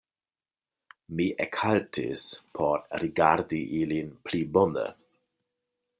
Mi ekhaltis por rigardi ilin pli bone.